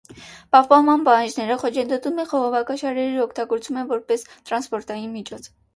Պահպանման պահանջները խոչընդոտում են խողովակաշարերի օգտագործումը որպես տրանսպորտային միջոց։